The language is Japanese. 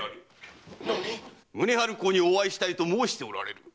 宗春公にお会いしたいと申しておられる。